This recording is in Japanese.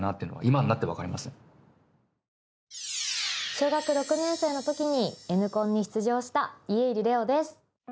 小学校６年生の時に「Ｎ コン」に出場した家入レオです。